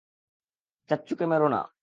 চাচ্চুকে মেরো না।